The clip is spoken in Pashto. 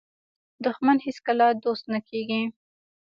دښمن هیڅکله دوست نه کېږي